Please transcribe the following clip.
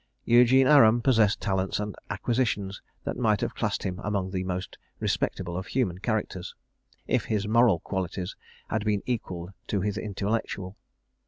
Eugene Aram possessed talents and acquisitions that might have classed him among the most respectable of human characters, if his moral qualities had been equal to his intellectual.